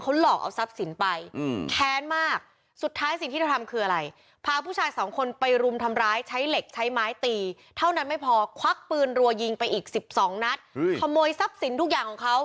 ขโมยทรัพย์สินทุกอย่างของเขา